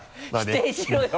否定しろよ！